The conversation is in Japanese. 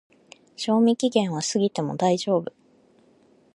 賞味期限は過ぎても大丈夫